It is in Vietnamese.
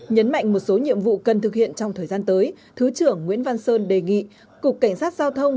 nhấn mạnh một số nhiệm vụ cần thực hiện trong thời gian tới thứ trưởng nguyễn văn sơn đề nghị cục cảnh sát giao thông